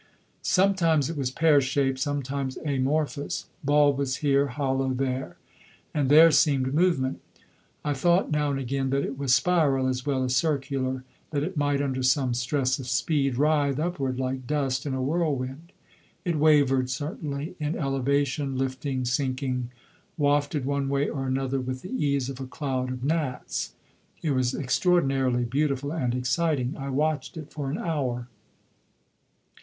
Sometimes it was pear shaped, sometimes amorphous; bulbous here, hollow there. And there seemed movement; I thought now and again that it was spiral as well as circular, that it might, under some stress of speed, writhe upward like dust in a whirlwind. It wavered, certainly, in elevation, lifting, sinking, wafted one way or another with the ease of a cloud of gnats. It was extraordinarily beautiful and exciting. I watched it for an hour.